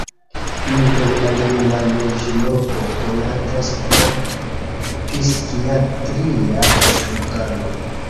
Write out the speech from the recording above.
Inter alie la loĝloko konatas pro psikiatria hospitalo.